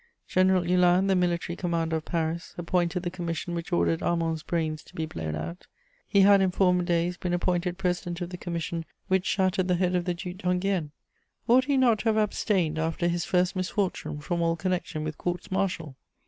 General Hulin, the Military Commander of Paris, appointed the commission which ordered Armand's brains to be blown out; he had, in former days, been appointed president of the commission which shattered the head of the Duc d'Enghien. Ought he not to have abstained, after his first misfortune, from all connection with courts martial?